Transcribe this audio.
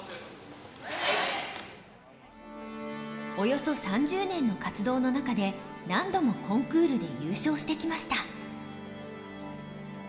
およそ３０年の活動の中で何度もコンクールで優勝してきました。